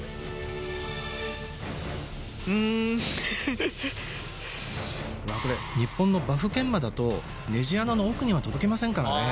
うわこれ日本のバフ研磨だとネジ穴の奥には届きませんからね